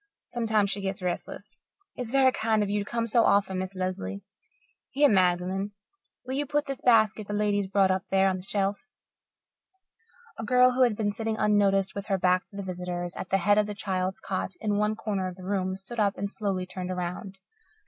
Sometimes she gets restless. It's very kind of you to come so often, Miss Lesley. Here, Magdalen, will you put this basket the lady's brought up there on the shelf?" A girl, who had been sitting unnoticed with her back to the visitors, at the head of the child's cot in one corner of the room, stood up and slowly turned around.